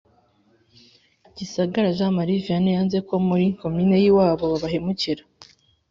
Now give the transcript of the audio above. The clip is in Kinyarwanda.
Gisagara Jean Marie Vianney yanze ko muri Komini yiwabo babahemukira